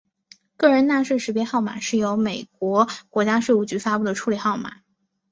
个人纳税识别号码是由美国国家税务局发布的处理号码。